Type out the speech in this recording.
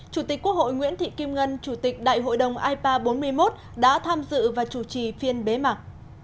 chủ tịch quốc hội nguyễn thị kim ngân chủ tịch đại hội đồng ipa bốn mươi một đã tham dự và chủ trì phiên bế mạc